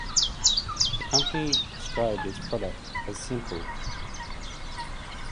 The company described its product as Simple.